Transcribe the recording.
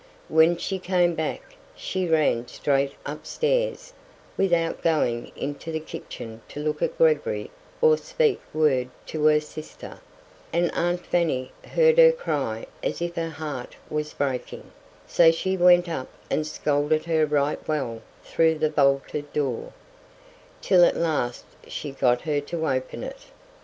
When she came back, she ran straight upstairs, without going into the kitchen to look at Gregory or speak any word to her sister, and aunt Fanny heard her cry as if her heart was breaking; so she went up and scolded her right well through the bolted door, till at last she got her to open it.